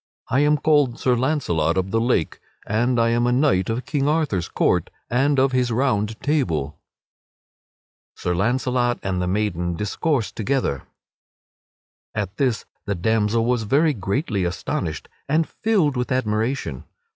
I am called Sir Launcelot of the Lake, and I am a knight of King Arthur's court and of his Round Table." [Sidenote: Sir Launcelot and the maiden discourse together] At this the damsel was very greatly astonished and filled with admiration.